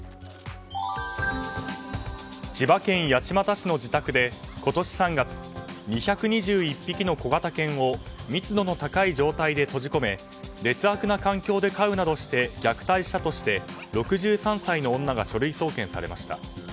千葉県八街市の自宅で今年３月、２２１匹の小型犬を密度の高い状態で閉じ込め劣悪な環境で飼うなどして虐待したとして６３歳の女が書類送検されました。